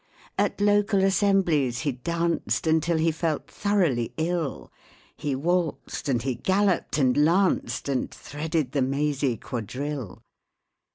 At local assemblies he danced Until he felt thoroughly ill; He waltzed, and he galoped, and lanced, And threaded the mazy quadrille.